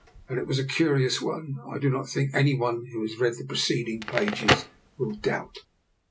That it was a curious one, I do not think any one who has read the preceding pages will doubt.